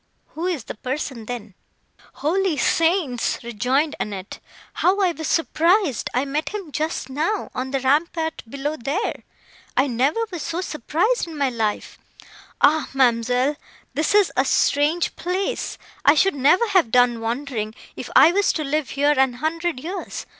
"Who is the person, then?" "Holy Saints!" rejoined Annette; "How I was surprised! I met him just now, on the rampart below, there. I never was so surprised in my life! Ah! ma'amselle! this is a strange place! I should never have done wondering, if I was to live here a hundred years.